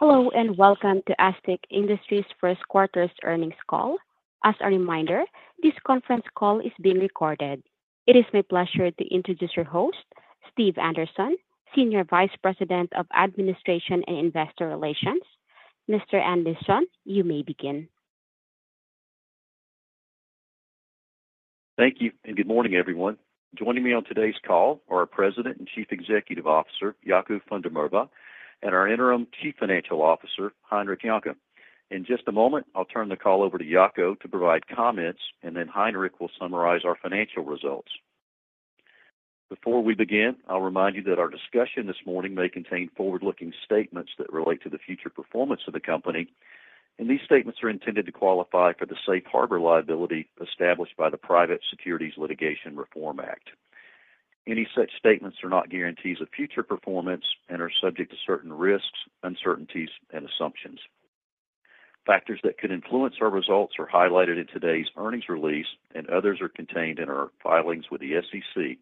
Hello, and welcome to Astec Industries first quarter earnings call. As a reminder, this conference call is being recorded. It is my pleasure to introduce your host, Steve Anderson, Senior Vice President of Administration and Investor Relations. Mr. Anderson, you may begin. Thank you, and good morning, everyone. Joining me on today's call are our President and Chief Executive Officer, Jaco van der Merwe, and our Interim Chief Financial Officer, Heinrich Jonker. In just a moment, I'll turn the call over to Jaco to provide comments, and then Heinrich will summarize our financial results. Before we begin, I'll remind you that our discussion this morning may contain forward-looking statements that relate to the future performance of the company, and these statements are intended to qualify for the safe harbor liability established by the Private Securities Litigation Reform Act. Any such statements are not guarantees of future performance and are subject to certain risks, uncertainties, and assumptions. Factors that could influence our results are highlighted in today's earnings release, and others are contained in our filings with the SEC.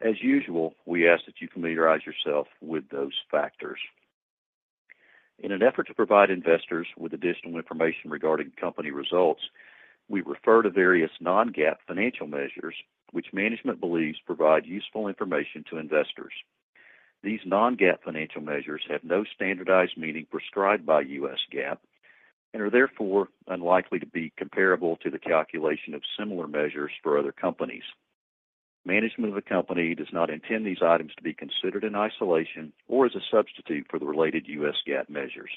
As usual, we ask that you familiarize yourself with those factors. In an effort to provide investors with additional information regarding company results, we refer to various Non-GAAP financial measures, which management believes provide useful information to investors. These Non-GAAP financial measures have no standardized meaning prescribed by U.S. GAAP, and are therefore unlikely to be comparable to the calculation of similar measures for other companies. Management of the company does not intend these items to be considered in isolation or as a substitute for the related U.S. GAAP measures.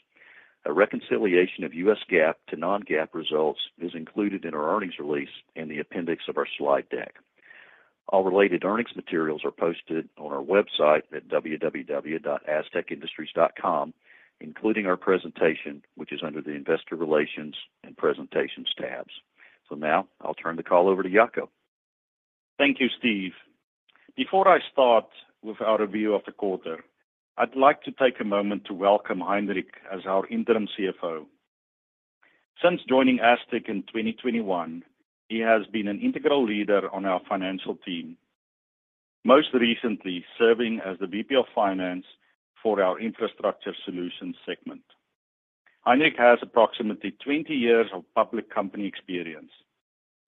A reconciliation of U.S. GAAP to Non-GAAP results is included in our earnings release in the appendix of our slide deck. All related earnings materials are posted on our website at www.astecindustries.com, including our presentation, which is under the Investor Relations and Presentations tabs. Now I'll turn the call over to Jaco van der Merwe. Thank you, Steve. Before I start with our review of the quarter, I'd like to take a moment to welcome Heinrich as our Interim CFO. Since joining Astec in 2021, he has been an integral leader on our financial team, most recently serving as the VP of Finance for our infrastructure solutions segment. Heinrich has approximately 20 years of public company experience,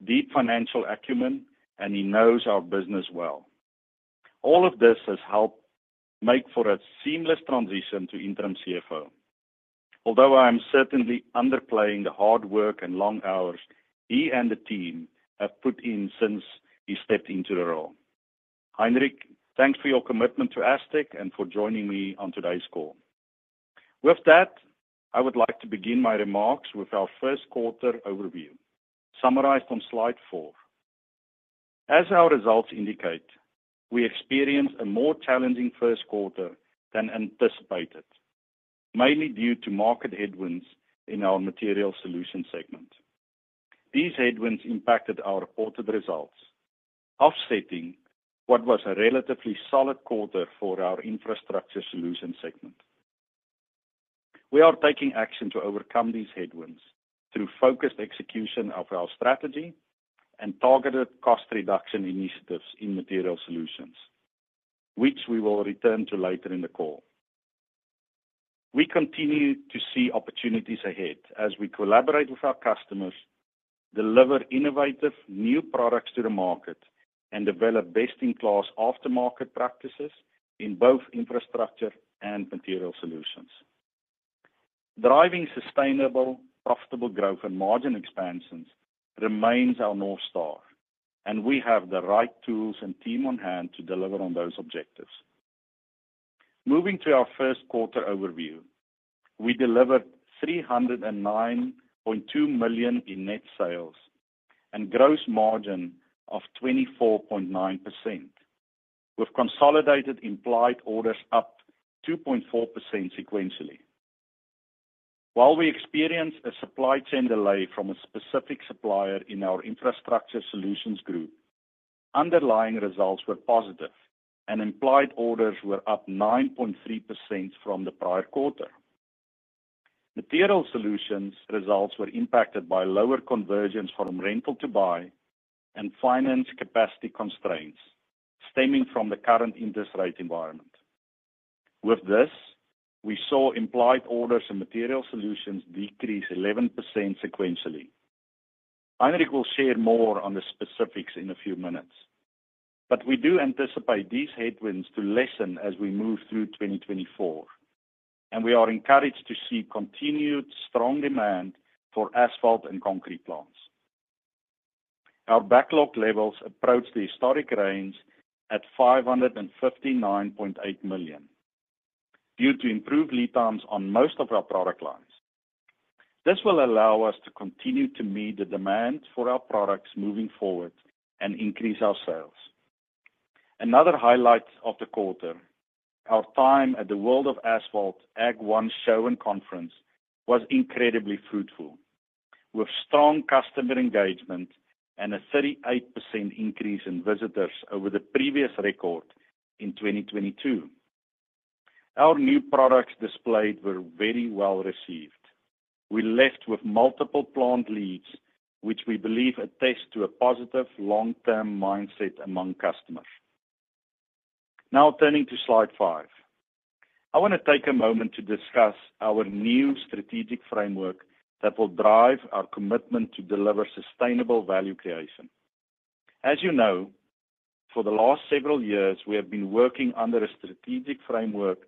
deep financial acumen, and he knows our business well. All of this has helped make for a seamless transition to Interim CFO. Although I am certainly underplaying the hard work and long hours he and the team have put in since he stepped into the role. Heinrich, thanks for your commitment to Astec and for joining me on today's call. With that, I would like to begin my remarks with our first quarter overview, summarized on slide four. As our results indicate, we experienced a more challenging first quarter than anticipated, mainly due to market headwinds in our material solutions segment. These headwinds impacted our reported results, offsetting what was a relatively solid quarter for our infrastructure solutions segment. We are taking action to overcome these headwinds through focused execution of our strategy and targeted cost reduction initiatives in material solutions, which we will return to later in the call. We continue to see opportunities ahead as we collaborate with our customers, deliver innovative new products to the market, and develop best-in-class aftermarket practices in both infrastructure and material solutions. Driving sustainable, profitable growth and margin expansions remains our North Star, and we have the right tools and team on hand to deliver on those objectives. Moving to our first quarter overview, we delivered $309.2 million in net sales and gross margin of 24.9%, with consolidated implied orders up 2.4% sequentially. While we experienced a supply chain delay from a specific supplier in our infrastructure solutions group, underlying results were positive and implied orders were up 9.3% from the prior quarter. Material solutions results were impacted by lower conversions from rental to buy and finance capacity constraints stemming from the current interest rate environment. With this, we saw implied orders and material solutions decrease 11% sequentially. Heinrich will share more on the specifics in a few minutes, but we do anticipate these headwinds to lessen as we move through 2024, and we are encouraged to see continued strong demand for asphalt and concrete plants. Our backlog levels approach the historic range at $559.8 million, due to improved lead times on most of our product lines. This will allow us to continue to meet the demand for our products moving forward and increase our sales. Another highlight of the quarter, our time at the World of Asphalt AGG1 Show and Conference was incredibly fruitful, with strong customer engagement and a 38% increase in visitors over the previous record in 2022. Our new products displayed were very well received. We left with multiple plant leads, which we believe attest to a positive long-term mindset among customers. Now turning to slide five. I wanna take a moment to discuss our new strategic framework that will drive our commitment to deliver sustainable value creation. As you know, for the last several years, we have been working under a strategic framework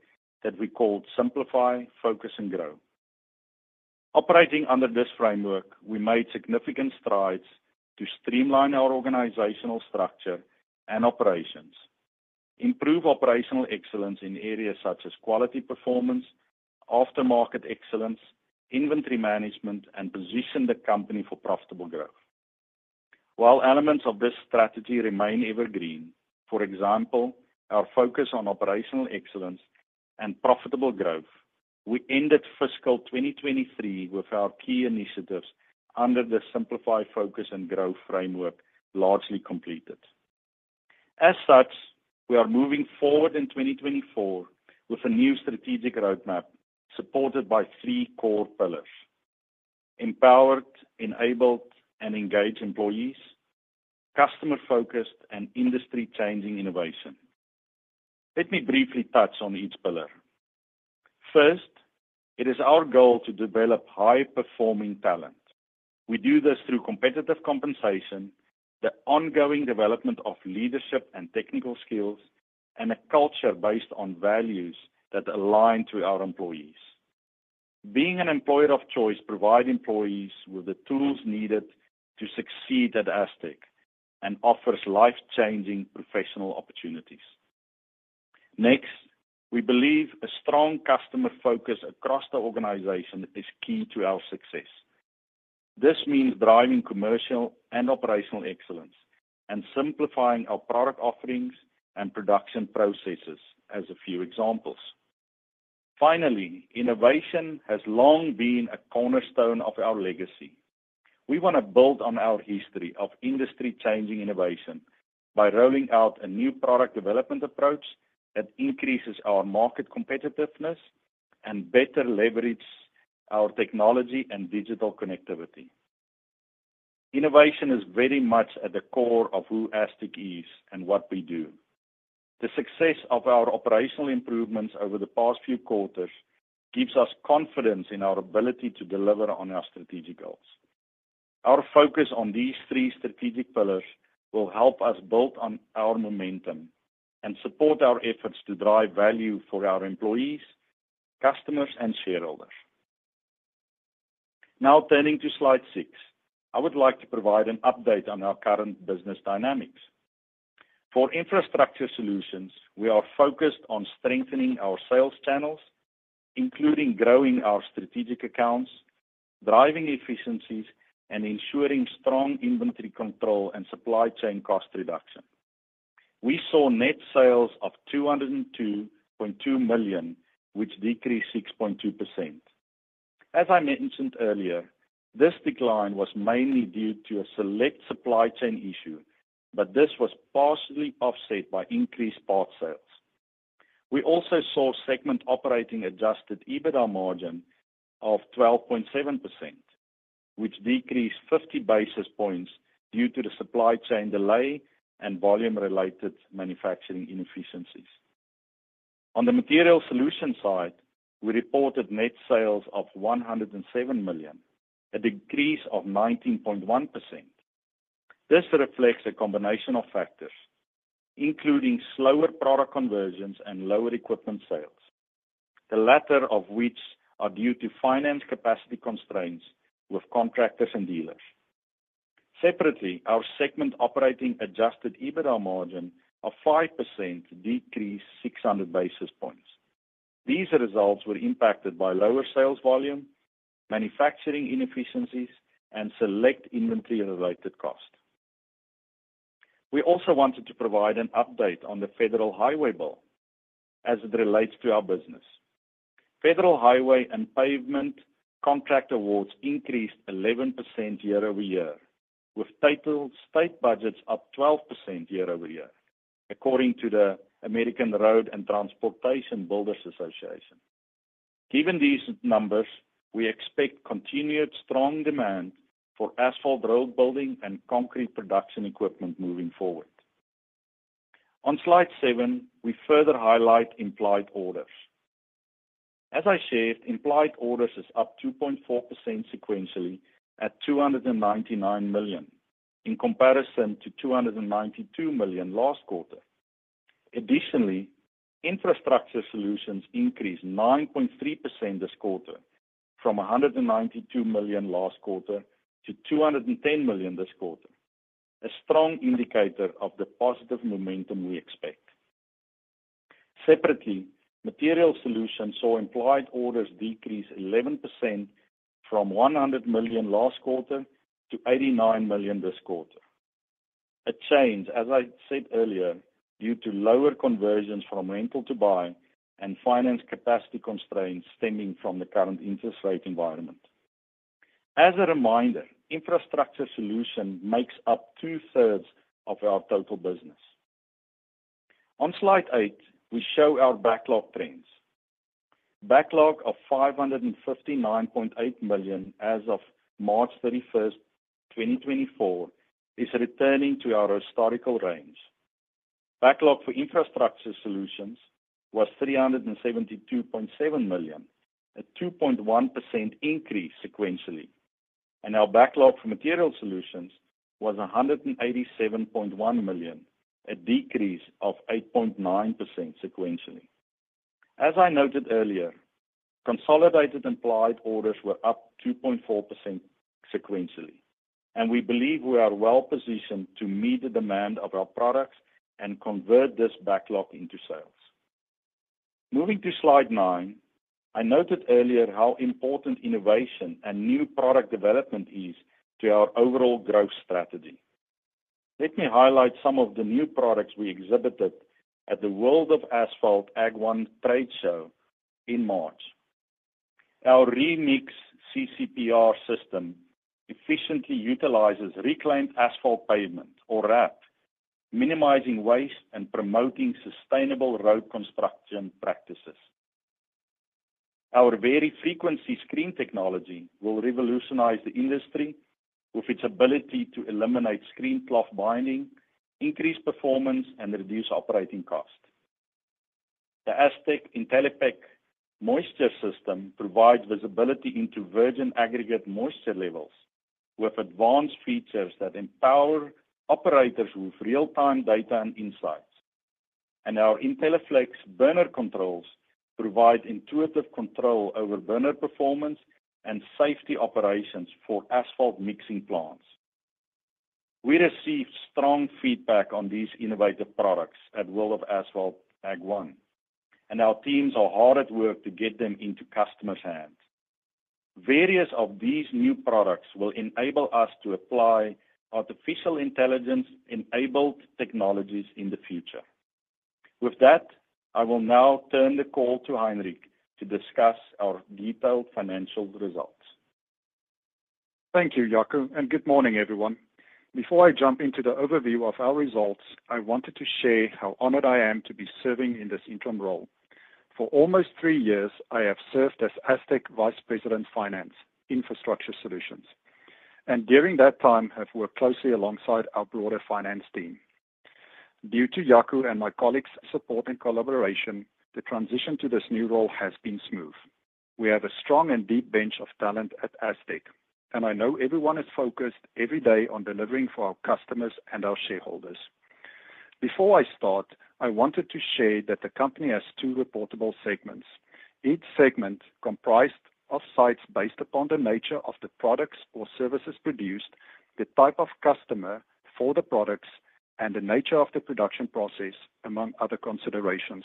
that we called Simplify, Focus, and Grow. Operating under this framework, we made significant strides to streamline our organizational structure and operations, improve operational excellence in areas such as quality performance, aftermarket excellence, inventory management, and position the company for profitable growth. While elements of this strategy remain evergreen, for example, our focus on operational excellence and profitable growth, we ended fiscal 2023 with our key initiatives under the Simplify, Focus, and Grow framework, largely completed. As such, we are moving forward in 2024 with a new strategic roadmap supported by three core pillars: empowered, enabled, and engaged employees, customer-focused, and industry-changing innovation. Let me briefly touch on each pillar. First, it is our goal to develop high-performing talent. We do this through competitive compensation, the ongoing development of leadership and technical skills, and a culture based on values that align to our employees. Being an employer of choice, provide employees with the tools needed to succeed at Astec, and offers life-changing professional opportunities. Next, we believe a strong customer focus across the organization is key to our success. This means driving commercial and operational excellence, and simplifying our product offerings and production processes, as a few examples. Finally, innovation has long been a cornerstone of our legacy. We wanna build on our history of industry-changing innovation by rolling out a new product development approach that increases our market competitiveness and better leverage our technology and digital connectivity. Innovation is very much at the core of who Astec is and what we do. The success of our operational improvements over the past few quarters gives us confidence in our ability to deliver on our strategic goals. Our focus on these three strategic pillars will help us build on our momentum and support our efforts to drive value for our employees, customers, and shareholders. Now turning to slide six, I would like to provide an update on our current business dynamics. For Infrastructure Solutions, we are focused on strengthening our sales channels, including growing our strategic accounts, driving efficiencies, and ensuring strong inventory control and supply chain cost reduction. We saw net sales of $202.2 million, which decreased 6.2%. As I mentioned earlier, this decline was mainly due to a select supply chain issue, but this was partially offset by increased part sales. We also saw segment operating Adjusted EBITDA margin of 12.7%, which decreased 50 basis points due to the supply chain delay and volume-related manufacturing inefficiencies. On the material solution side, we reported net sales of $107 million, a decrease of 19.1%. This reflects a combination of factors, including slower product conversions and lower equipment sales, the latter of which are due to finance capacity constraints with contractors and dealers. Separately, our segment operating Adjusted EBITDA margin of 5% decreased 600 basis points. These results were impacted by lower sales volume, manufacturing inefficiencies, and select inventory-related cost. We also wanted to provide an update on the Federal Highway Bill as it relates to our business. Federal highway and pavement contract awards increased 11% year-over-year, with total state budgets up 12% year-over-year, according to the American Road and Transportation Builders Association. Given these numbers, we expect continued strong demand for asphalt road building and concrete production equipment moving forward. On slide seven, we further highlight implied orders. As I said, implied orders is up 2.4% sequentially at $299 million, in comparison to $292 million last quarter. Additionally, infrastructure solutions increased 9.3% this quarter, from $192 million last quarter to $210 million this quarter, a strong indicator of the positive momentum we expect. Separately, material solutions saw implied orders decrease 11% from $100 million last quarter to $89 million this quarter. A change, as I said earlier, due to lower conversions from rental to buy and finance capacity constraints stemming from the current interest rate environment. As a reminder, Infrastructure Solutions makes up two-thirds of our total business. On slide eight, we show our backlog trends. Backlog of $559.8 million as of March 31st, 2024, is returning to our historical range. Backlog for Infrastructure Solutions was $372.7 million, a 2.1% increase sequentially, and our backlog for Materials Solutions was $187.1 million, a decrease of 8.9% sequentially. As I noted earlier, consolidated implied orders were up 2.4% sequentially, and we believe we are well positioned to meet the demand of our products and convert this backlog into sales. Moving to slide nine. I noted earlier how important innovation and new product development is to our overall growth strategy. Let me highlight some of the new products we exhibited at the World of Asphalt AGG1 Trade Show in March. Our ReMix CCPR system efficiently utilizes reclaimed asphalt pavement or RAP, minimizing waste and promoting sustainable road construction practices. Our Vari-Frequency screen technology will revolutionize the industry with its ability to eliminate screen cloth binding, increase performance, and reduce operating costs. The Astec IntelliPac moisture system provides visibility into virgin aggregate moisture levels, with advanced features that empower operators with real-time data and insights. And our IntelliFlex burner controls provide intuitive control over burner performance and safety operations for asphalt mixing plants. We received strong feedback on these innovative products at World of Asphalt AGG1, and our teams are hard at work to get them into customers' hands. Various of these new products will enable us to apply artificial intelligence-enabled technologies in the future. With that, I will now turn the call to Heinrich to discuss our detailed financial results. Thank you, Jaco, and good morning, everyone. Before I jump into the overview of our results, I wanted to share how honored I am to be serving in this interim role. For almost three years, I have served as Astec Vice President, Finance, Infrastructure Solutions, and during that time have worked closely alongside our broader finance team. Due to Jaco and my colleagues' support and collaboration, the transition to this new role has been smooth. We have a strong and deep bench of talent at Astec, and I know everyone is focused every day on delivering for our customers and our shareholders. Before I start, I wanted to share that the company has two reportable segments. Each segment comprised of sites based upon the nature of the products or services produced, the type of customer for the products, and the nature of the production process, among other considerations.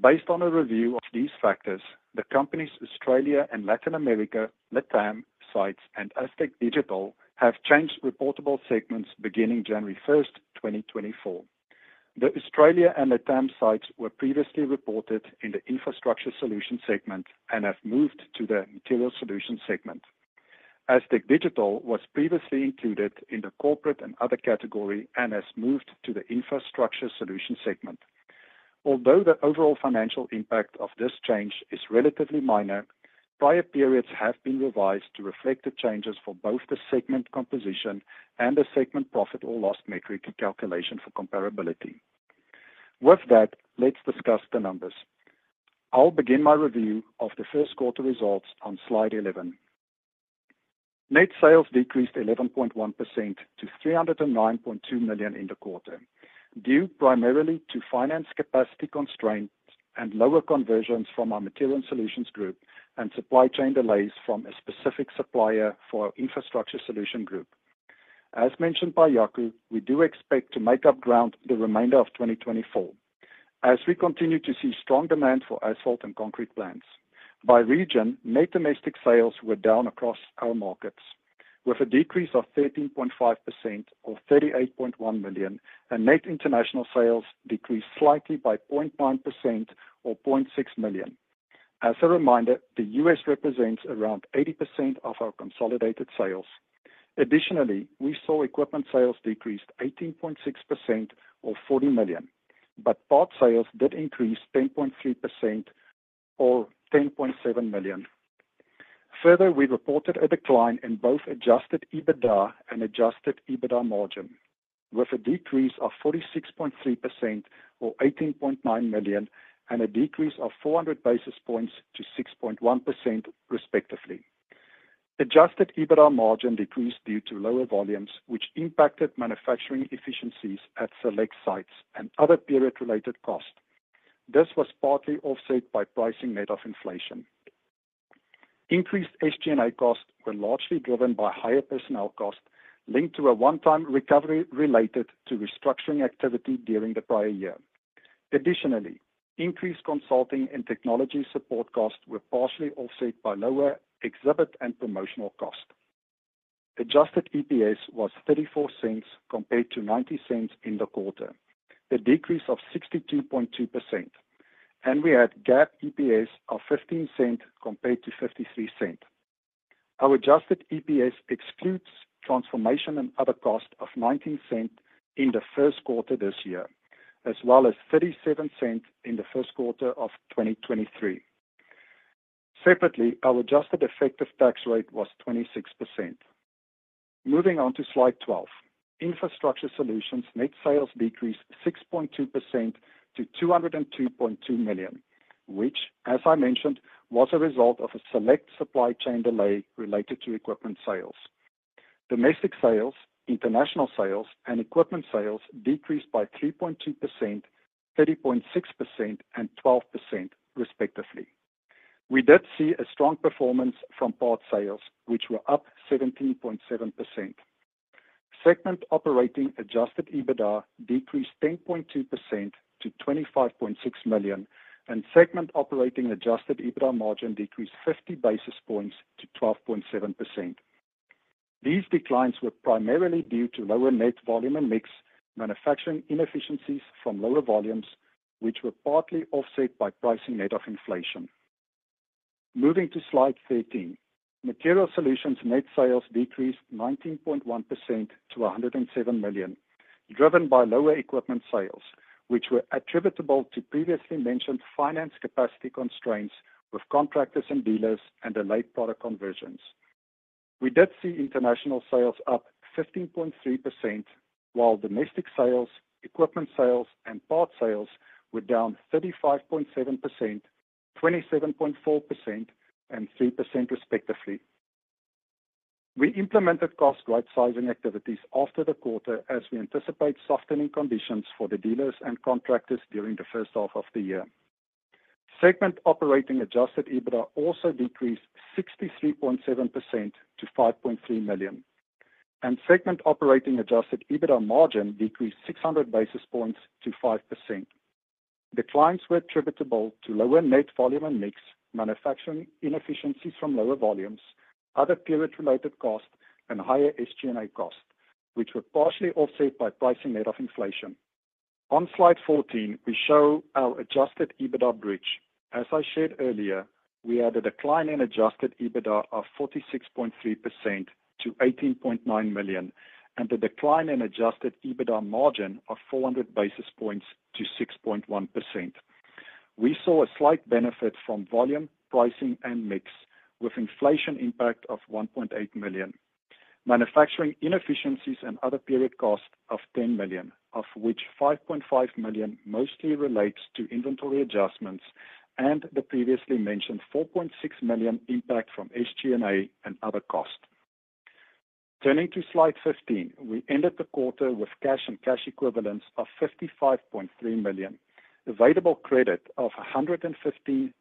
Based on a review of these factors, the company's Australia and Latin America, LATAM sites, and Astec Digital have changed reportable segments beginning January 1st, 2024. The Australia and LATAM sites were previously reported in the Infrastructure Solutions segment and have moved to the material solutions segment. Astec Digital was previously included in the corporate and other category and has moved to the Infrastructure Solutions segment. Although the overall financial impact of this change is relatively minor, prior periods have been revised to reflect the changes for both the segment composition and the segment profit or loss metric calculation for comparability. With that, let's discuss the numbers. I'll begin my review of the first quarter results on slide 11. Net sales decreased 11.1% to $309.2 million in the quarter, due primarily to finance capacity constraints and lower conversions from our Material Solutions group and supply chain delays from a specific supplier for our Infrastructure Solution group. As mentioned by Jaco, we do expect to make up ground for the remainder of 2024, as we continue to see strong demand for asphalt and concrete plants. By region, net domestic sales were down across our markets, with a decrease of 13.5% or $38.1 million, and net international sales decreased slightly by 0.1% or $0.6 million. As a reminder, the U.S. represents around 80% of our consolidated sales. Additionally, we saw equipment sales decreased 18.6% or $40 million, but part sales did increase 10.3% or $10.7 million. Further, we reported a decline in both adjusted EBITDA and adjusted EBITDA margin, with a decrease of 46.3% or $18.9 million, and a decrease of 400 basis points to 6.1%, respectively. Adjusted EBITDA margin decreased due to lower volumes, which impacted manufacturing efficiencies at select sites and other period-related costs. This was partly offset by pricing net of inflation. Increased SG&A costs were largely driven by higher personnel costs linked to a one-time recovery related to restructuring activity during the prior year. Additionally, increased consulting and technology support costs were partially offset by lower exhibit and promotional costs. Adjusted EPS was $0.34 compared to $0.90 in the quarter, a decrease of 62.2%, and we had GAAP EPS of $0.15 compared to $0.53. Our adjusted EPS excludes transformation and other costs of $0.19 in the first quarter this year, as well as $0.37 in the first quarter of 2023. Separately, our adjusted effective tax rate was 26%. Moving on to slide 12. Infrastructure Solutions net sales decreased 6.2% to $202.2 million, which, as I mentioned, was a result of a select supply chain delay related to equipment sales. Domestic sales, international sales, and equipment sales decreased by 3.2%, 30.6%, and 12%, respectively. We did see a strong performance from part sales, which were up 17.7%. Segment operating Adjusted EBITDA decreased 10.2% to $25.6 million, and segment operating Adjusted EBITDA margin decreased 50 basis points to 12.7%. These declines were primarily due to lower net volume and mix, manufacturing inefficiencies from lower volumes, which were partly offset by pricing net of inflation. Moving to slide 13. Material Solutions net sales decreased 19.1% to $107 million, driven by lower equipment sales, which were attributable to previously mentioned finance capacity constraints with contractors and dealers and delayed product conversions. We did see international sales up 15.3%, while domestic sales, equipment sales, and part sales were down 35.7%, 27.4%, and 3%, respectively. We implemented cost right-sizing activities after the quarter, as we anticipate softening conditions for the dealers and contractors during the first half of the year. Segment operating adjusted EBITDA also decreased 63.7% to $5.3 million, and segment operating adjusted EBITDA margin decreased 600 basis points to 5%. Declines were attributable to lower net volume and mix, manufacturing inefficiencies from lower volumes, other period-related costs, and higher SG&A costs, which were partially offset by pricing net of inflation. On slide 14, we show our adjusted EBITDA bridge. As I shared earlier, we had a decline in adjusted EBITDA of 46.3% to $18.9 million, and a decline in adjusted EBITDA margin of 400 basis points to 6.1%. We saw a slight benefit from volume, pricing, and mix, with inflation impact of $1.8 million. Manufacturing inefficiencies and other period costs of $10 million, of which $5.5 million mostly relates to inventory adjustments, and the previously mentioned $4.6 million impact from SG&A and other costs. Turning to slide 15, we ended the quarter with cash and cash equivalents of $55.3 million, available credit of $150.2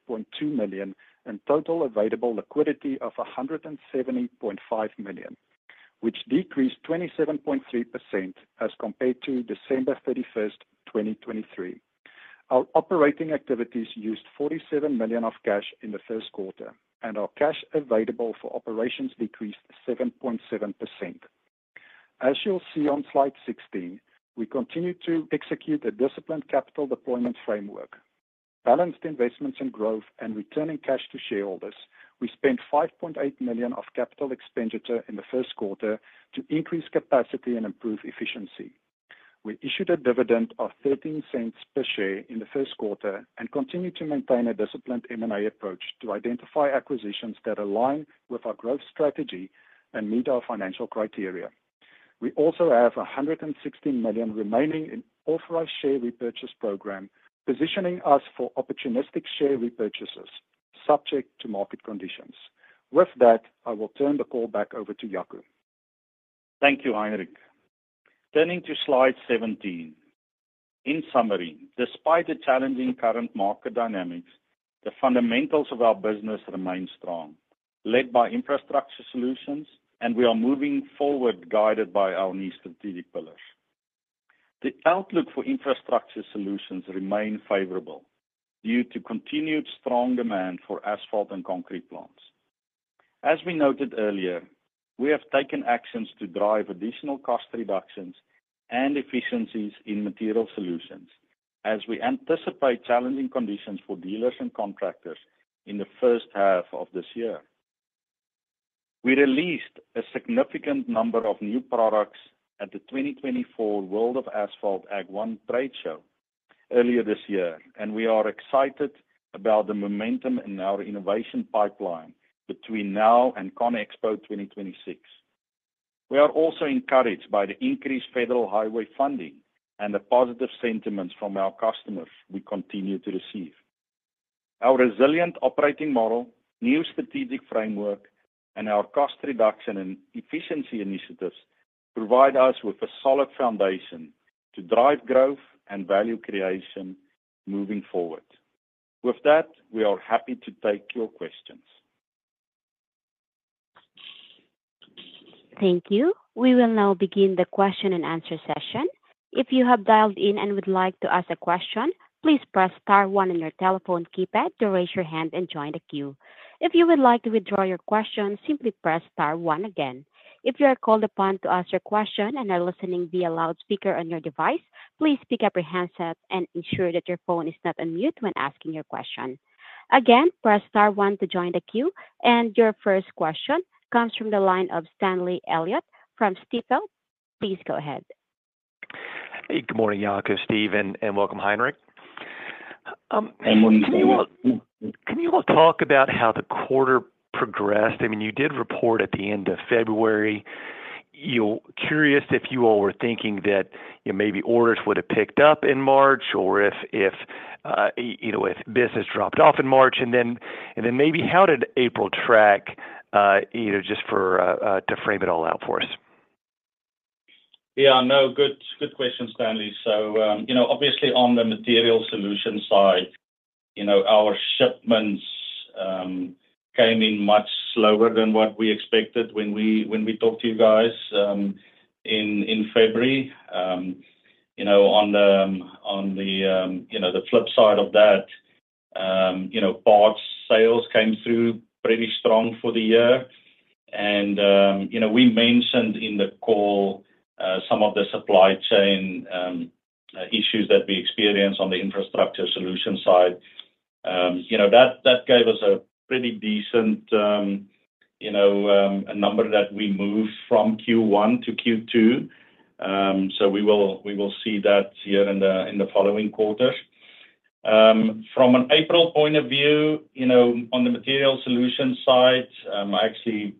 million, and total available liquidity of $170.5 million, which decreased 27.3% as compared to December 31, 2023. Our operating activities used $47 million of cash in the first quarter, and our cash available for operations decreased 7.7%. As you'll see on slide 16, we continued to execute a disciplined capital deployment framework, balanced investments in growth, and returning cash to shareholders. We spent $5.8 million of capital expenditure in the first quarter to increase capacity and improve efficiency. We issued a dividend of $0.13 per share in the first quarter and continued to maintain a disciplined M&A approach to identify acquisitions that align with our growth strategy and meet our financial criteria. We also have $116 million remaining in authorized share repurchase program, positioning us for opportunistic share repurchases, subject to market conditions. With that, I will turn the call back over to Jaco. Thank you, Heinrich. Turning to slide 17. In summary, despite the challenging current market dynamics, the fundamentals of our business remain strong, led by infrastructure solutions, and we are moving forward, guided by our new strategic pillars. The outlook for infrastructure solutions remain favorable due to continued strong demand for asphalt and concrete plants. As we noted earlier, we have taken actions to drive additional cost reductions and efficiencies in material solutions as we anticipate challenging conditions for dealers and contractors in the first half of this year. We released a significant number of new products at the 2024 World of Asphalt AGG1 trade show earlier this year, and we are excited about the momentum in our innovation pipeline between now and CONEXPO 2026. We are also encouraged by the increased federal highway funding and the positive sentiments from our customers we continue to receive. Our resilient operating model, new strategic framework, and our cost reduction and efficiency initiatives provide us with a solid foundation to drive growth and value creation moving forward. With that, we are happy to take your questions. Thank you. We will now begin the question and answer session. If you have dialed in and would like to ask a question, please press star one on your telephone keypad to raise your hand and join the queue. If you would like to withdraw your question, simply press star one again. If you are called upon to ask your question and are listening via loudspeaker on your device, please pick up your handset and ensure that your phone is not on mute when asking your question. Again, press star one to join the queue. Your first question comes from the line of Stanley Elliott from Stifel. Please go ahead.... Good morning, Jaco, Steve, and welcome, Heinrich. Can you all talk about how the quarter progressed? I mean, you did report at the end of February. I'm curious if you all were thinking that, you know, maybe orders would have picked up in March, or if, you know, if business dropped off in March, and then maybe how did April track, you know, just to frame it all out for us? Yeah, no, good, good question, Stanley. So, you know, obviously on the materials solutions side, you know, our shipments came in much slower than what we expected when we talked to you guys in February. You know, on the flip side of that, you know, parts sales came through pretty strong for the year. And, you know, we mentioned in the call some of the supply chain issues that we experienced on the Infrastructure Solutions side. You know, that gave us a pretty decent number that we moved from Q1 to Q2. So we will see that here in the following quarters. From an April point of view, you know, on the material solution side, I actually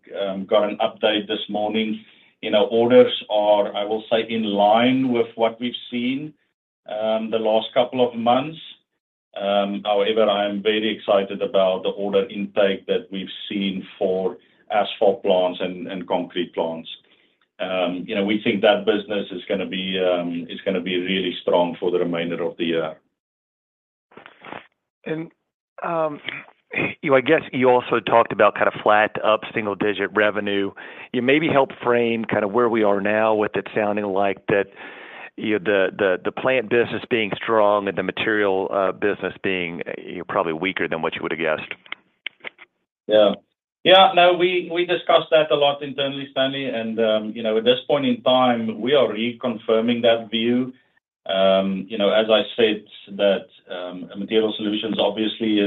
got an update this morning. You know, orders are, I will say, in line with what we've seen the last couple of months. However, I am very excited about the order intake that we've seen for asphalt plants and concrete plants. You know, we think that business is gonna be really strong for the remainder of the year. You know, I guess you also talked about kind of flat to up single-digit revenue. You maybe help frame kind of where we are now, with it sounding like that, you know, the plant business being strong and the material business being, you know, probably weaker than what you would've guessed. Yeah. Yeah, no, we discussed that a lot internally, Stanley, and, you know, at this point in time, we are reconfirming that view. You know, as I said, that material solutions obviously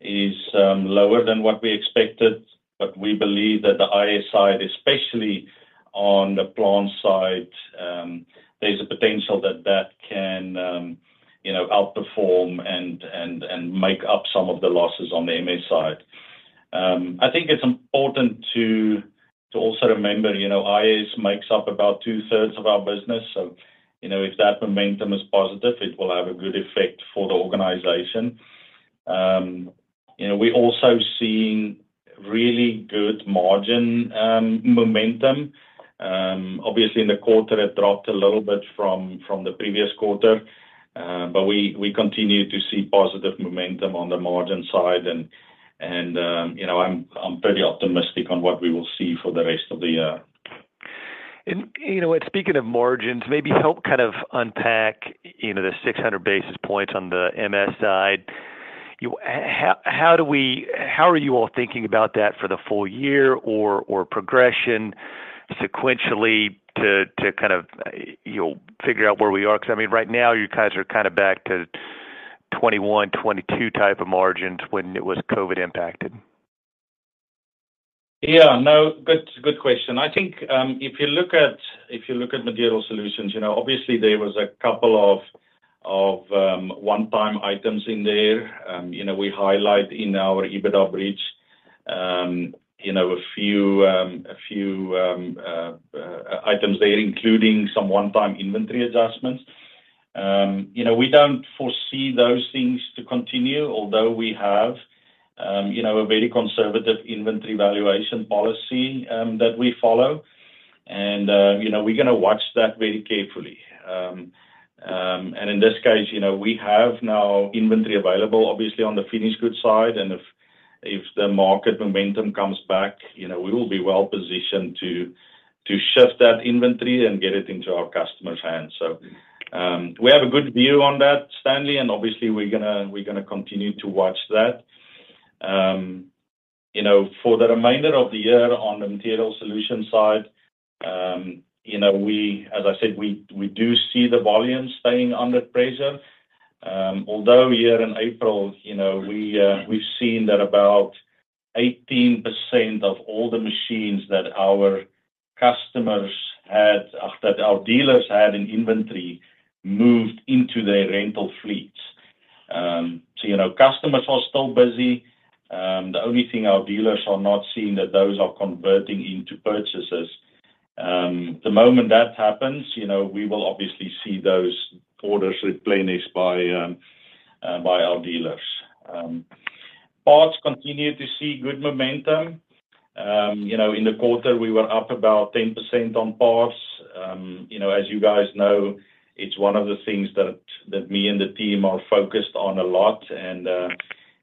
is lower than what we expected, but we believe that the IS side, especially on the plant side, there's a potential that that can, you know, outperform and make up some of the losses on the MS side. I think it's important to also remember, you know, IS makes up about two-thirds of our business, so you know, if that momentum is positive, it will have a good effect for the organization. You know, we're also seeing really good margin momentum. Obviously, in the quarter, it dropped a little bit from the previous quarter, but we continue to see positive momentum on the margin side, and you know, I'm pretty optimistic on what we will see for the rest of the year. You know, and speaking of margins, maybe help kind of unpack, you know, the 600 basis points on the MS side. How are you all thinking about that for the full year or, or progression sequentially to, to kind of, you know, figure out where we are? Because, I mean, right now, you guys are kind of back to 21, 22-type of margins when it was COVID impacted. Yeah. No, good, good question. I think, if you look at, if you look at material solutions, you know, obviously there was a couple of, of, one-time items in there. You know, we highlight in our EBITDA bridge, you know, a few, a few, items there, including some one-time inventory adjustments. You know, we don't foresee those things to continue, although we have, you know, a very conservative inventory valuation policy, that we follow. And, you know, we're gonna watch that very carefully. And in this case, you know, we have now inventory available, obviously, on the finished goods side, and if, if the market momentum comes back, you know, we will be well-positioned to, to shift that inventory and get it into our customers' hands. So, we have a good view on that, Stanley, and obviously, we're gonna, we're gonna continue to watch that. You know, for the remainder of the year on the material solution side, you know, we, as I said, we, we do see the volumes staying under pressure. Although here in April, you know, we, we've seen that about 18% of all the machines that our customers had, that our dealers had in inventory moved into their rental fleets. So you know, customers are still busy. The only thing our dealers are not seeing, that those are converting into purchases. The moment that happens, you know, we will obviously see those orders replenished by, by our dealers. Parts continue to see good momentum. You know, in the quarter, we were up about 10% on parts. You know, as you guys know, it's one of the things that me and the team are focused on a lot, and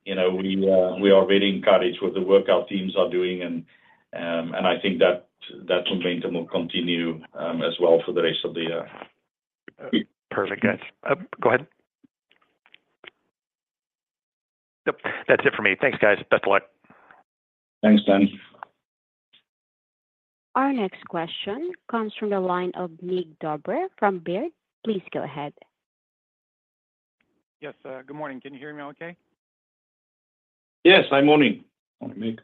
you know, we are very encouraged with the work our teams are doing, and I think that momentum will continue as well for the rest of the year. Perfect, guys. Go ahead. Yep, that's it for me. Thanks, guys. Best of luck. Thanks, Stanley. Our next question comes from the line of Mircea Dobre from Baird. Please go ahead.... Yes, good morning. Can you hear me okay? Yes, hi, morning. Morning, Mircea.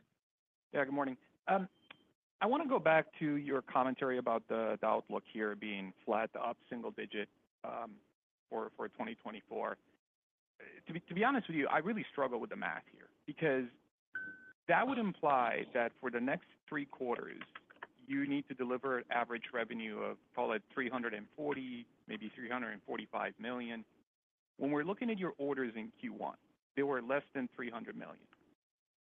Yeah, good morning. I want to go back to your commentary about the outlook here being flat to up single digit for 2024. To be honest with you, I really struggle with the math here, because that would imply that for the next three quarters, you need to deliver average revenue of call it $340 million, maybe $345 million. When we're looking at your orders in Q1, they were less than $300 million.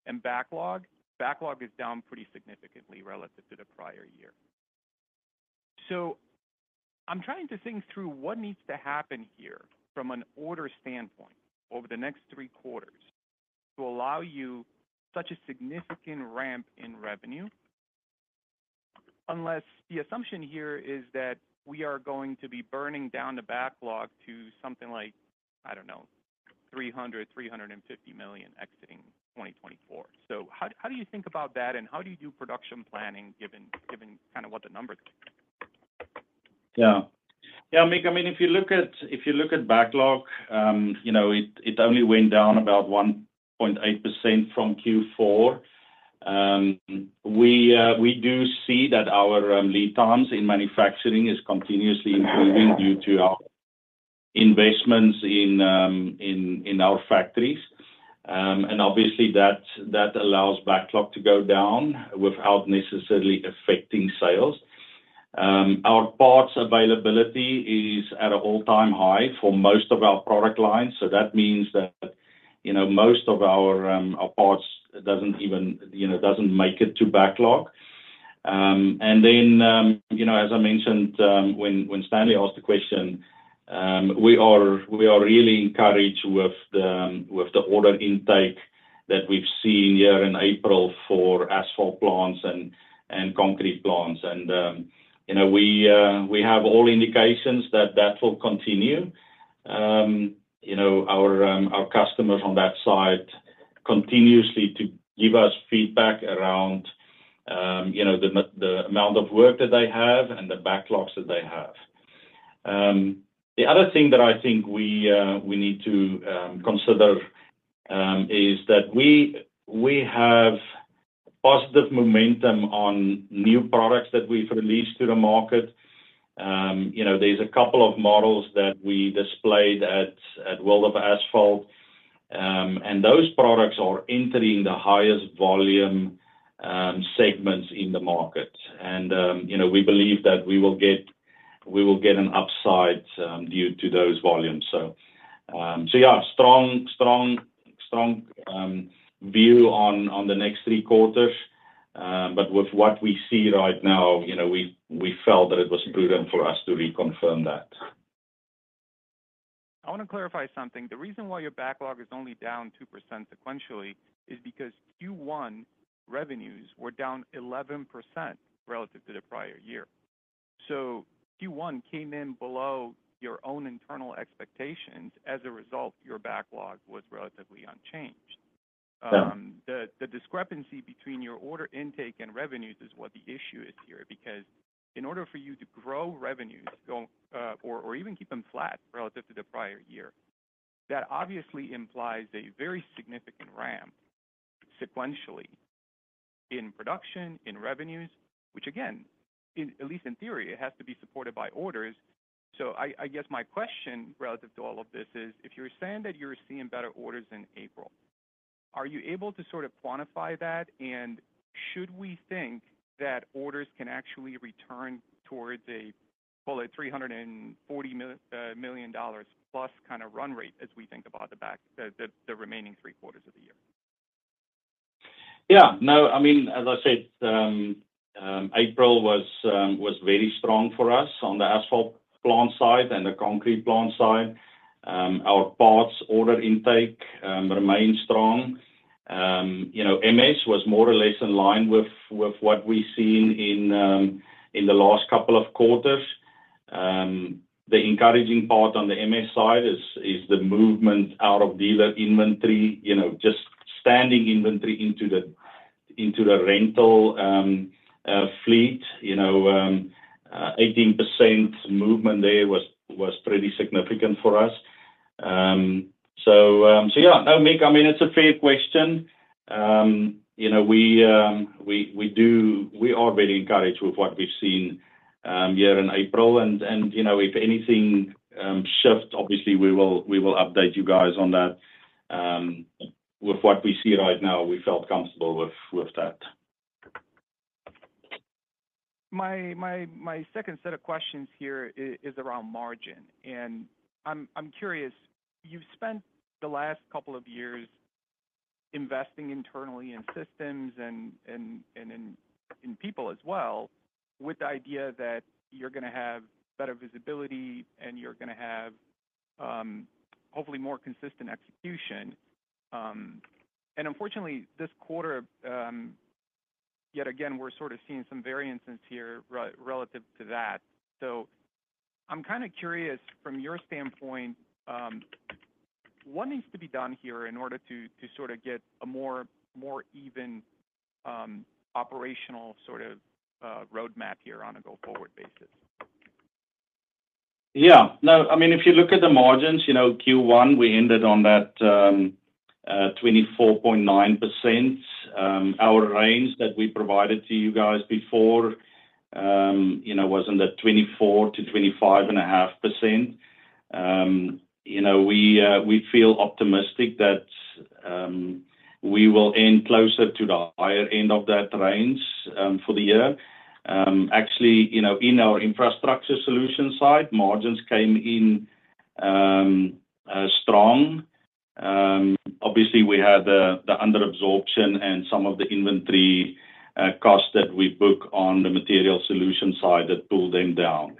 And backlog, backlog is down pretty significantly relative to the prior year. So I'm trying to think through what needs to happen here from an order standpoint over the next three quarters to allow you such a significant ramp in revenue, unless the assumption here is that we are going to be burning down the backlog to something like, I don't know, $300-$350 million exiting 2024. So how, how do you think about that, and how do you do production planning, given, given kind of what the numbers are? Yeah. Yeah, Mick, I mean, if you look at, if you look at backlog, you know, it only went down about 1.8% from Q4. We do see that our lead times in manufacturing is continuously improving due to our investments in our factories. And obviously, that allows backlog to go down without necessarily affecting sales. Our parts availability is at an all-time high for most of our product lines, so that means that, you know, most of our parts doesn't even, you know, doesn't make it to backlog. And then, you know, as I mentioned, when Stanley asked the question, we are really encouraged with the order intake that we've seen here in April for asphalt plants and concrete plants. You know, we have all indications that that will continue. You know, our customers on that side continuously to give us feedback around, you know, the amount of work that they have and the backlogs that they have. The other thing that I think we need to consider is that we have positive momentum on new products that we've released to the market. You know, there's a couple of models that we displayed at World of Asphalt, and those products are entering the highest volume segments in the market. You know, we believe that we will get, we will get an upside due to those volumes. So, so yeah, strong, strong, strong view on the next three quarters. But with what we see right now, you know, we felt that it was prudent for us to reconfirm that. I want to clarify something. The reason why your backlog is only down 2% sequentially is because Q1 revenues were down 11% relative to the prior year. So Q1 came in below your own internal expectations. As a result, your backlog was relatively unchanged. Yeah. The discrepancy between your order intake and revenues is what the issue is here, because in order for you to grow revenues or even keep them flat relative to the prior year, that obviously implies a very significant ramp sequentially in production, in revenues, which again, at least in theory, it has to be supported by orders. So I guess my question relative to all of this is, if you're saying that you're seeing better orders in April, are you able to sort of quantify that? And should we think that orders can actually return towards a call it $340 million plus kind of run rate as we think about the back half—the remaining three quarters of the year? Yeah. No, I mean, as I said, April was very strong for us on the asphalt plant side and the concrete plant side. Our parts order intake remained strong. You know, MS was more or less in line with what we've seen in the last couple of quarters. The encouraging part on the MS side is the movement out of dealer inventory, you know, just standing inventory into the rental fleet. You know, 18% movement there was pretty significant for us. So yeah. No, Mick, I mean, it's a fair question. You know, we are very encouraged with what we've seen here in April, and you know, if anything shifts, obviously we will update you guys on that. With what we see right now, we felt comfortable with that. My second set of questions here is around margin, and I'm curious, you've spent the last couple of years investing internally in systems and in people as well, with the idea that you're gonna have better visibility and you're gonna have hopefully more consistent execution. And unfortunately, this quarter, yet again, we're sort of seeing some variances here relative to that. So I'm kind of curious, from your standpoint, what needs to be done here in order to sort of get a more even operational sort of roadmap here on a go-forward basis? Yeah. No, I mean, if you look at the margins, you know, Q1, we ended on that 24.9%. Our range that we provided to you guys before, you know, was in the 24%-25.5%. You know, we feel optimistic that we will end closer to the higher end of that range for the year. Actually, you know, in our infrastructure solution side, margins came in strong. Obviously, we had the under-absorption and some of the inventory costs that we book on the material solution side that pulled them down.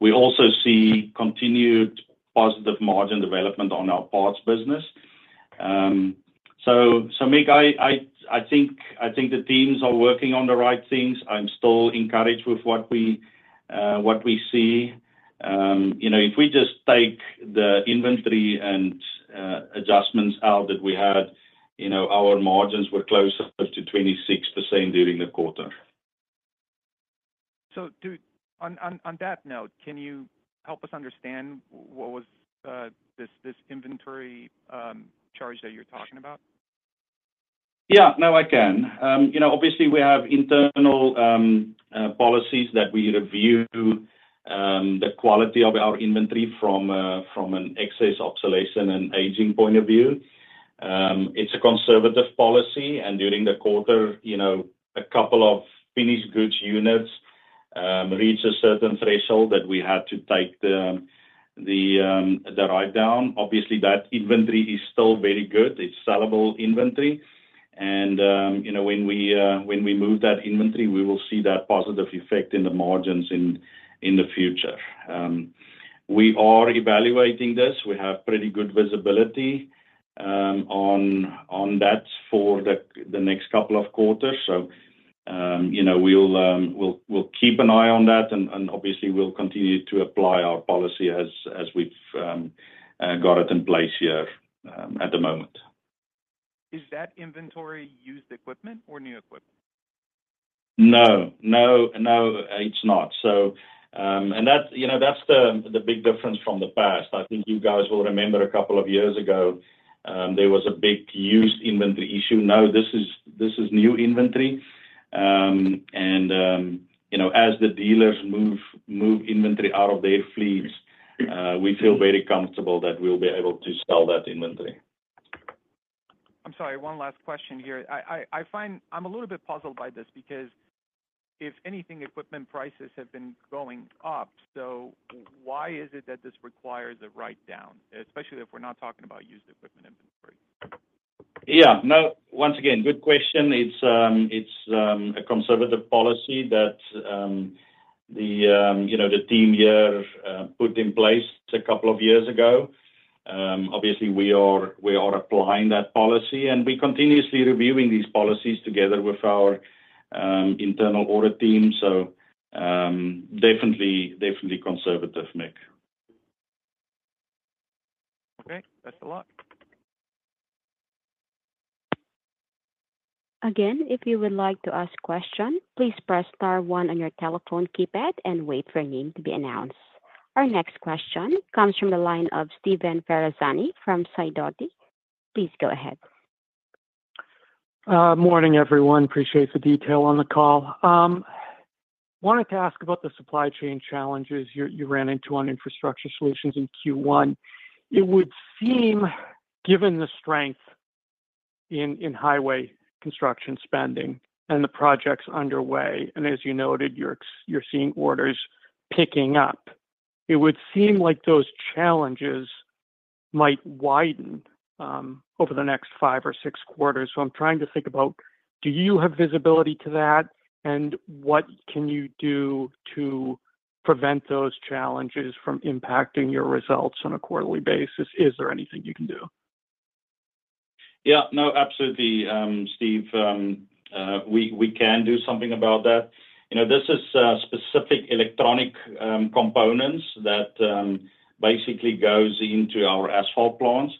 We also see continued positive margin development on our parts business. So, Mick, I think the teams are working on the right things. I'm still encouraged with what we see. You know, if we just take the inventory and adjustments out that we had, you know, our margins were closer to 26% during the quarter. So, on that note, can you help us understand what was this inventory charge that you're talking about? Yeah. No, I can. You know, obviously, we have internal policies that we review the quality of our inventory from from an excess obsolescence and aging point of view. It's a conservative policy, and during the quarter, you know, a couple of finished goods units reached a certain threshold that we had to take the write-down. Obviously, that inventory is still very good. It's sellable inventory, and, you know, when we move that inventory, we will see that positive effect in the margins in the future. We are evaluating this. We have pretty good visibility on that for the next couple of quarters. So, you know, we'll keep an eye on that, and obviously, we'll continue to apply our policy as we've got it in place here, at the moment. Is that inventory used equipment or new equipment? No. No, no, it's not. So, and that's, you know, that's the big difference from the past. I think you guys will remember a couple of years ago, there was a big used inventory issue. No, this is new inventory. And, you know, as the dealers move inventory out of their fleets, we feel very comfortable that we'll be able to sell that inventory. I'm sorry, one last question here. I find... I'm a little bit puzzled by this, because if anything, equipment prices have been going up, so why is it that this requires a write-down, especially if we're not talking about used equipment inventory? Yeah. No, once again, good question. It's a conservative policy that, you know, the team here put in place a couple of years ago. Obviously, we are applying that policy, and we're continuously reviewing these policies together with our internal audit team, so definitely, definitely conservative, Mick. Okay. Thanks a lot. Again, if you would like to ask a question, please press star one on your telephone keypad and wait for your name to be announced. Our next question comes from the line of Steve Ferazani from Sidoti. Please go ahead. Morning, everyone. Appreciate the detail on the call. Wanted to ask about the supply chain challenges you ran into on infrastructure solutions in Q1. It would seem, given the strength in highway construction spending and the projects underway, and as you noted, you're seeing orders picking up, it would seem like those challenges might widen over the next five or six quarters. So I'm trying to think about, do you have visibility to that? And what can you do to prevent those challenges from impacting your results on a quarterly basis? Is there anything you can do? Yeah. No, absolutely, Steve, we can do something about that. You know, this is specific electronic components that basically goes into our asphalt plants.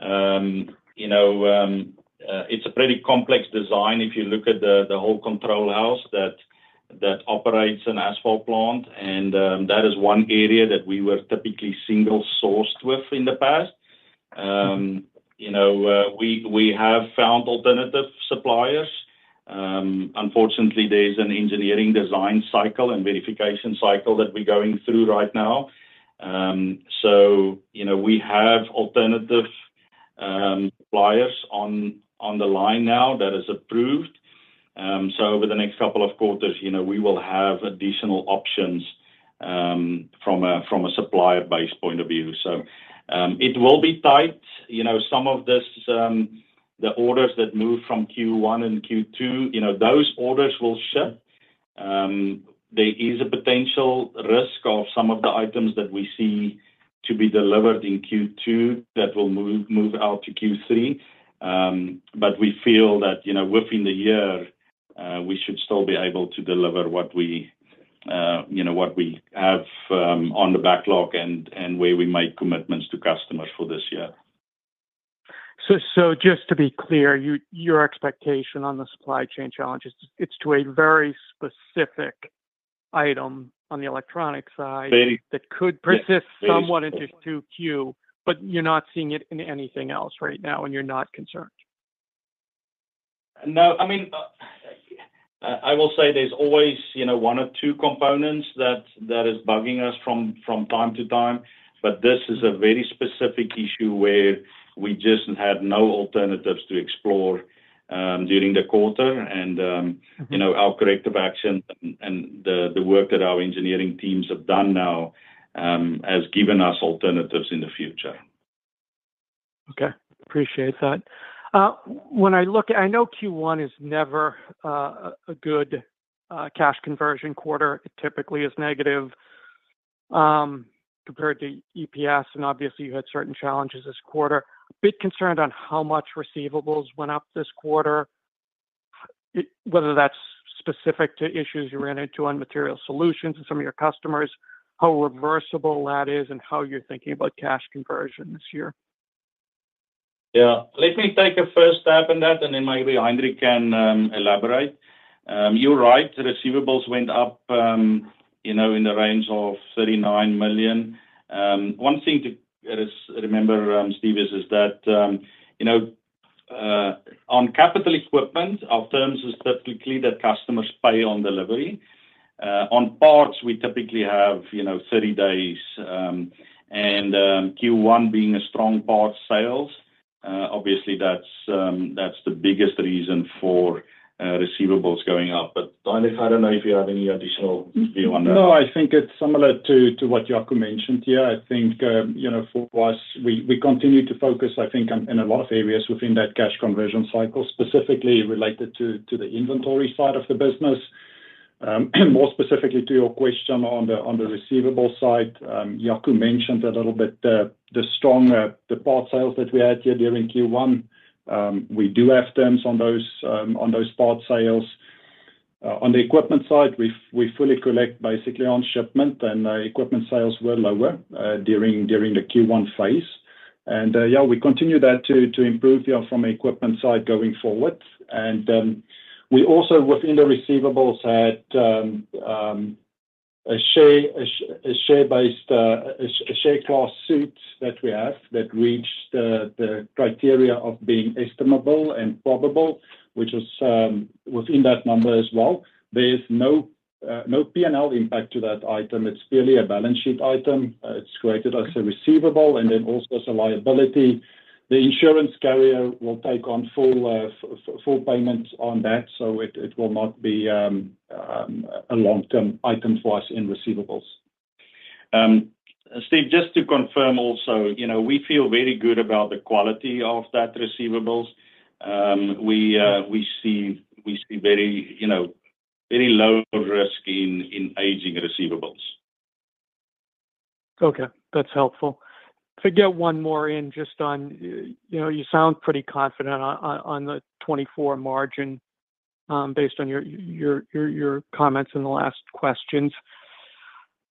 You know, it's a pretty complex design if you look at the whole control house that operates an asphalt plant, and that is one area that we were typically single-sourced with in the past. You know, we have found alternative suppliers. Unfortunately, there is an engineering design cycle and verification cycle that we're going through right now. So, you know, we have alternative suppliers on the line now that is approved. So over the next couple of quarters, you know, we will have additional options from a supplier-based point of view. So, it will be tight. You know, some of this, the orders that move from Q1 and Q2, you know, those orders will ship. There is a potential risk of some of the items that we see to be delivered in Q2 that will move out to Q3. But we feel that, you know, within the year, we should still be able to deliver what we, you know, what we have on the backlog and where we make commitments to customers for this year. So, just to be clear, your expectation on the supply chain challenges, it's to a very specific item on the electronic side- Very. that could persist somewhat into 2Q, but you're not seeing it in anything else right now, and you're not concerned? No. I mean, I will say there's always, you know, one or two components that is bugging us from time to time, but this is a very specific issue where we just had no alternatives to explore during the quarter. You know, our corrective action and the work that our engineering teams have done now has given us alternatives in the future. Okay. Appreciate that. When I look at—I know Q1 is never a good cash conversion quarter. It typically is negative, compared to EPS, and obviously, you had certain challenges this quarter. A bit concerned on how much receivables went up this quarter, whether that's specific to issues you ran into on material solutions and some of your customers, how reversible that is, and how you're thinking about cash conversion this year. Yeah. Let me take a first stab on that, and then maybe Heinrich can elaborate. You're right, the receivables went up, you know, in the range of $39 million. One thing to just remember, Steve, is that, you know, on capital equipment, our terms is typically that customers pay on delivery. On parts, we typically have, you know, 30 days, and Q1 being a strong part sales, obviously that's the biggest reason for receivables going up. But Heinrich, I don't know if you have any additional view on that. No, I think it's similar to what Jaco mentioned here. I think, you know, for us, we continue to focus, I think, on in a lot of areas within that cash conversion cycle, specifically related to the inventory side of the business. More specifically to your question on the receivable side, Jaco mentioned a little bit the strong the part sales that we had here during Q1. We do have terms on those part sales. On the equipment side, we fully collect basically on shipment, and equipment sales were lower during the Q1 phase. And, yeah, we continue that to improve here from equipment side going forward. We also, within the receivables, had a shareholder class suit that we have that reached the criteria of being estimable and probable, which is within that number as well. There is no P&L impact to that item. It's purely a balance sheet item. It's created as a receivable and then also as a liability. The insurance carrier will take on full payment on that, so it will not be a long-term item for us in receivables. Steve, just to confirm also, you know, we feel very good about the quality of that receivables. We see very, you know, very low risk in aging receivables. Okay, that's helpful. To get one more in just on, you know, you sound pretty confident on the 2024 margin, based on your comments in the last questions.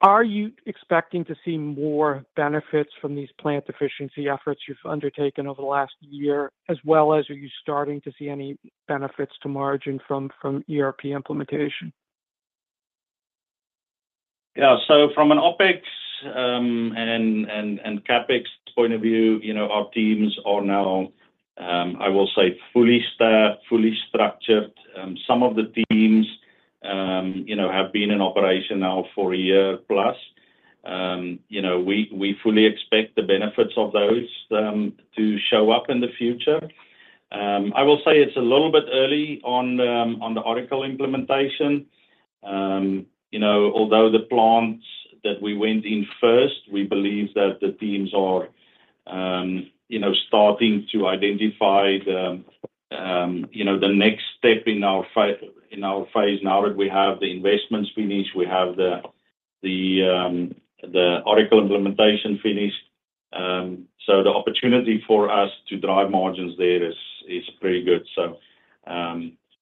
Are you expecting to see more benefits from these plant efficiency efforts you've undertaken over the last year, as well as are you starting to see any benefits to margin from ERP implementation? Yeah. So from an OpEx and CapEx point of view, you know, our teams are now, I will say, fully structured. Some of the teams, you know, have been in operation now for a year plus. You know, we fully expect the benefits of those to show up in the future. I will say it's a little bit early on the Oracle implementation. You know, although the plants that we went in first, we believe that the teams are, you know, starting to identify the next step in our phase now that we have the investments finished, we have the Oracle implementation finished. So the opportunity for us to drive margins there is pretty good.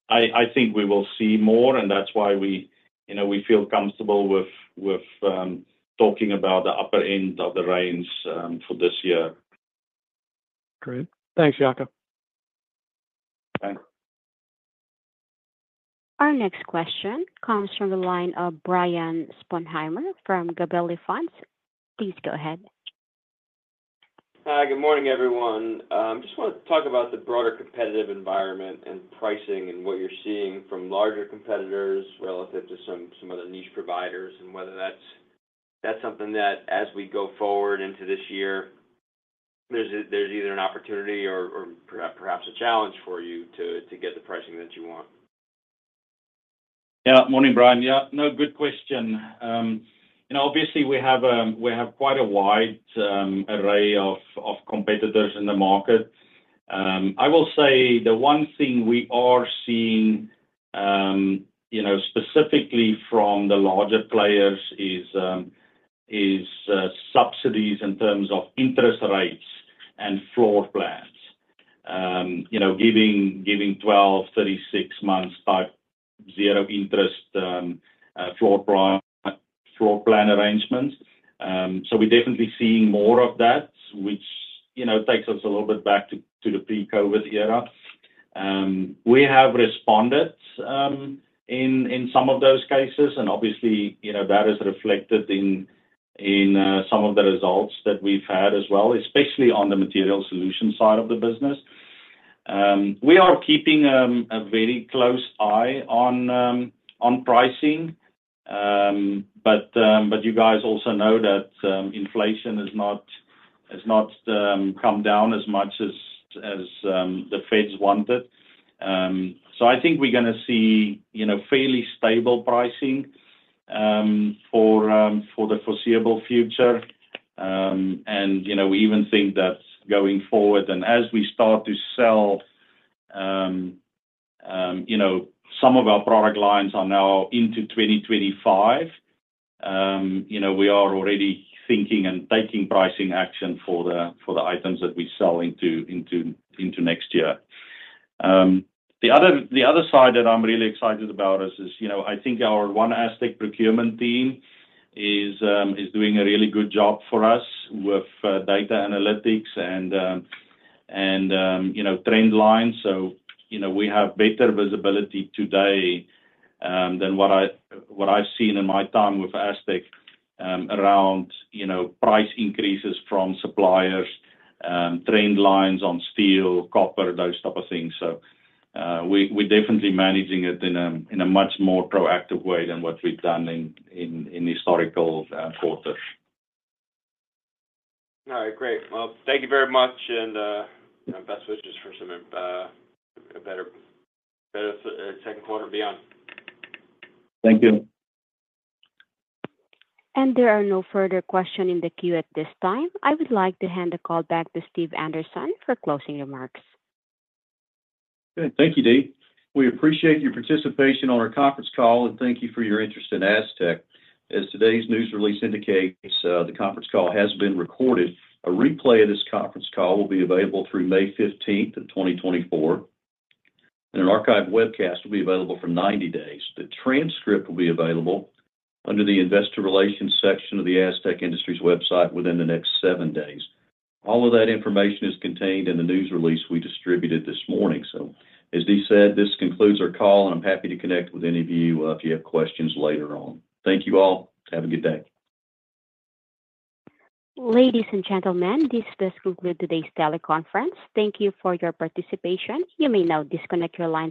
I think we will see more, and that's why we, you know, we feel comfortable with talking about the upper end of the range for this year. Great. Thanks, Jaco. Thanks. Our next question comes from the line of Brian Sponheimer from Gabelli Funds. Please go ahead. Hi, good morning, everyone. Just wanted to talk about the broader competitive environment and pricing and what you're seeing from larger competitors relative to some other niche providers, and whether that's something that, as we go forward into this year, there's either an opportunity or perhaps a challenge for you to get the pricing that you want. Yeah. Morning, Brian. Yeah, no, good question. You know, obviously, we have quite a wide array of competitors in the market. I will say the one thing we are seeing, you know, specifically from the larger players is subsidies in terms of interest rates and floor plans. You know, giving 12-36 months type zero interest floor plan arrangements. So we're definitely seeing more of that, which, you know, takes us a little bit back to the pre-COVID era. We have responded in some of those cases, and obviously, you know, that is reflected in some of the results that we've had as well, especially on the material solution side of the business. We are keeping a very close eye on pricing. But you guys also know that inflation has not come down as much as the Feds wanted. So I think we're gonna see, you know, fairly stable pricing for the foreseeable future. And you know, we even think that going forward, and as we start to sell, you know, some of our product lines are now into 2025. You know, we are already thinking and taking pricing action for the items that we sell into next year. The other side that I'm really excited about is, you know, I think our One Astec procurement team is doing a really good job for us with data analytics and you know, trend lines. So, you know, we have better visibility today than what I've seen in my time with Astec, around, you know, price increases from suppliers, trend lines on steel, copper, those type of things. So, we're definitely managing it in a much more proactive way than what we've done in historical quarters. All right, great. Well, thank you very much, and best wishes for some a better, better second quarter beyond. Thank you. There are no further questions in the queue at this time. I would like to hand the call back to Steve Anderson for closing remarks. Good. Thank you, Dee. We appreciate your participation on our conference call, and thank you for your interest in Astec. As today's news release indicates, the conference call has been recorded. A replay of this conference call will be available through May 15, 2024, and an archive webcast will be available for 90 days. The transcript will be available under the Investor Relations section of the Astec Industries website within the next seven days. All of that information is contained in the news release we distributed this morning. So, as Dee said, this concludes our call, and I'm happy to connect with any of you, if you have questions later on. Thank you all. Have a good day. Ladies and gentlemen, this does conclude today's teleconference. Thank you for your participation. You may now disconnect your line.